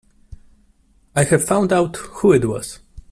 I have found out who it was.